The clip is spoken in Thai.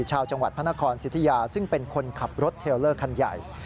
ชาวจังหวัดพระนครสิทธิยาซึ่งเป็นคนขับรถเทลเลอร์คันใหญ่